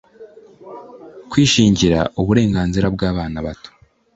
Kwishingira uburenganzira bw abana bato